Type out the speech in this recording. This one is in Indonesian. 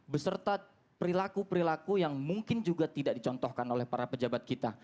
beserta perilaku perilaku yang mungkin juga tidak dicontohkan oleh para pejabat kita